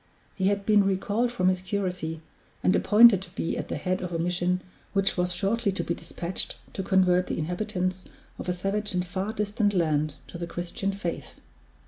He had been recalled from his curacy, and appointed to be at the head of a mission which was shortly to be dispatched to convert the inhabitants of a savage and far distant land to the Christian faith.